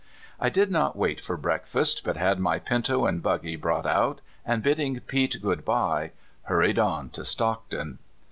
I did not wait for breakfast, but had my pinto and buggy brought out, and, bidding Pete good bye, hurried on to Stockton.